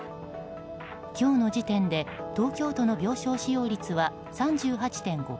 今日の時点で東京都の病床使用率は３８．５％。